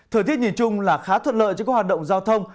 thời tiết nhìn chung là khá thuận lợi cho các hoạt động giao thông